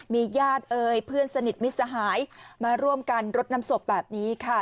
มีญาติเอ่ยเพื่อนสนิทมิตรสหายมาร่วมกันรดน้ำศพแบบนี้ค่ะ